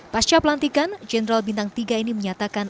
pasca pelantikan jenderal bintang tiga ini menyatakan